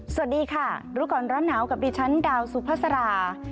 สวัสดีค่ะรู้ก่อนร้อนหนาวกับดิฉันดาวสุภาษา